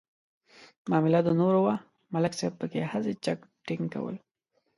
معامله د نور وه ملک صاحب پکې هسې چک ډینک کولو.